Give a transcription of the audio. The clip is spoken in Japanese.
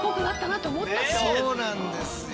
何かそうなんですよ。